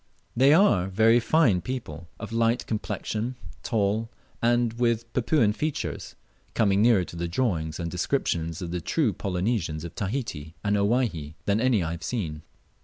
They are very line people, of light complexion, tall, and with Papuan features, coming nearer to the drawings and descriptions of the true Polynesians of Tahiti and Owyhee than any I have seen.